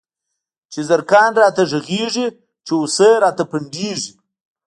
چی زرکان راته غږيږی، چی هوسۍ راته پنډيږی